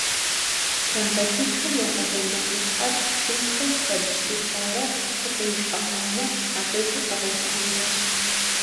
Тромбоцитхэм я къалэн нэхъыщхьэр — лъынтхуэм фэбжь техуарэ лъыкъиж къэхъуамэ, а къижыр къэгъэувыӏэнращ.